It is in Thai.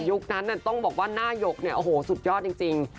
ยุคนั้นน่ะต้องบอกว่าหน้ายกสุดยอดจริง